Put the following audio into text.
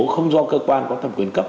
không do cơ quan có thầm quyền cấp